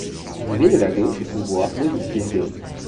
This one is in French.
L'arrivée de la gauche au pouvoir modifie la donne.